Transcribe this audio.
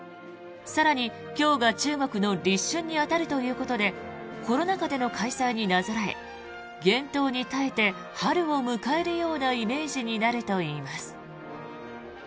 更に、今日が中国の立春に当たるということでコロナ禍での開催になぞらえ厳冬に耐えて春を迎えるようなイメージになるといいます。